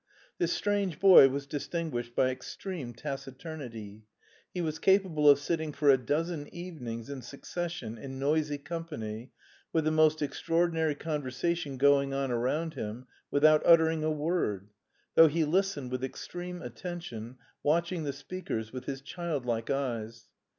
This strange boy was distinguished by extreme taciturnity: he was capable of sitting for a dozen evenings in succession in noisy company, with the most extraordinary conversation going on around him, without uttering a word, though he listened with extreme attention, watching the speakers with his childlike eyes.